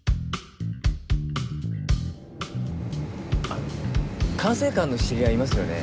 あの管制官の知り合いいますよね？